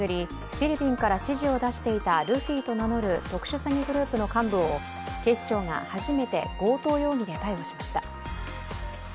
フィリピンから指示を出していたルフィと名乗る特殊詐欺グループの幹部を警視庁が初めて強盗容疑で逮捕しました。